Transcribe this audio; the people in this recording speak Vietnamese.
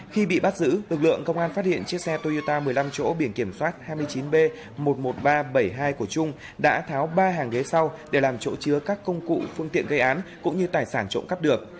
khi bị bắt giữ lực lượng công an phát hiện chiếc xe toyota một mươi năm chỗ biển kiểm soát hai mươi chín b một mươi một nghìn ba trăm bảy mươi hai của trung đã tháo ba hàng ghế sau để làm chỗ chứa các công cụ phương tiện gây án cũng như tài sản trộm cắp được